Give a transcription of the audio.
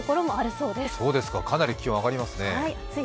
そうですか、かなり気温上がりますね。